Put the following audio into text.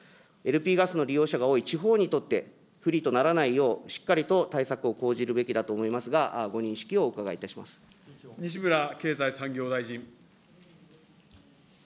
ＬＰガスの利用者が多い地方にとって、不利とならないよう、しっかりと対策を講じるべきだと思いますが、西村経済産業大臣。